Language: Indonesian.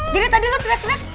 jadi tadi lo terek terek